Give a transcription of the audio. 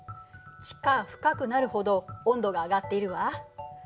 地下深くなるほど温度が上がっているわ。